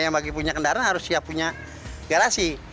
yang bagi punya kendaraan harus siap punya garasi